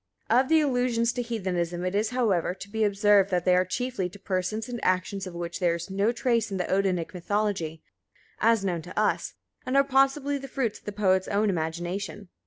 Of the allusions to Heathenism it is, however, to be observed that they are chiefly to persons and actions of which there is no trace in the Odinic mythology, as known to us, and are possibly the fruits of the poet's own imagination.